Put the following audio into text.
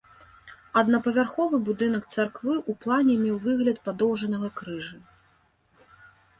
Аднапавярховы будынак царквы ў плане меў выгляд падоўжанага крыжа.